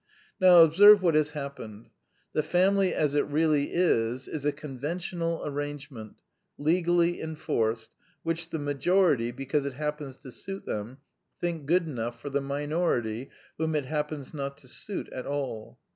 Now observe what has happened. The family as it really is is a conventional arrangement, legally enforced, which the majority, because it happens to suit them, think good enough for the minority, whom it happens not to suit at all.